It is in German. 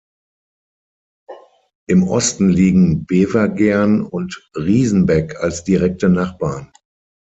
Im Osten liegen Bevergern und Riesenbeck als direkte Nachbarn.